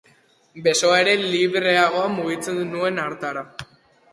Besoa ere libreago mugitzen nuen hartara.